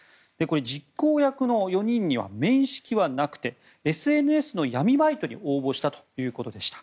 実行役の４人には面識はなくてＳＮＳの闇バイトに応募したということでした。